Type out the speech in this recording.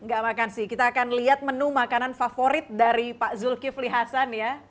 gak makan sih kita akan lihat menu makanan favorit dari pak zulkifli hasan ya